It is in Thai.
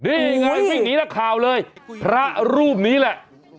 นี่ไงวิ่งหนีนักข่าวเลยพระรูปนี้แหละ